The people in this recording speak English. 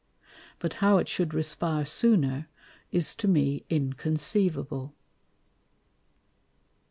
But how it should respire sooner, is to me inconceivable.